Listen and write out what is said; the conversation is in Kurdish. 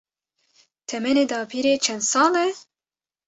Temenê dapîrê çend sal e?